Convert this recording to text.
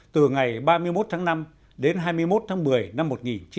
từ ngày ba mươi một tháng năm đến hai mươi một tháng một mươi năm một nghìn chín trăm bảy mươi